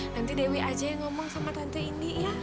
nanti dewi aja yang ngomong sama tante indi ya